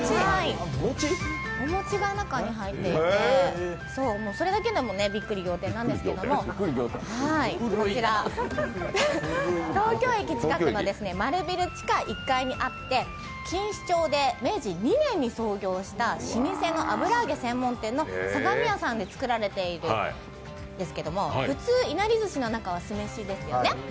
お餅が中に入っていて、それだけでもびっくり仰天なんですけど東京駅近くの丸ビル地下１階にあって、錦糸町で明治２年に創業した老舗の油揚げ専門店の相模屋さんで作られているんですけど、普通、いなりずしの中は酢飯ですよね。